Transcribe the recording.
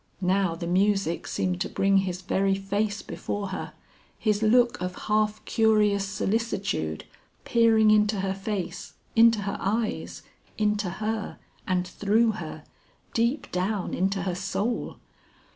Now the music seemed to bring his very face before her, his look of half curious solicitude, peering into her face, into her eyes, into her and through her, deep down into her soul.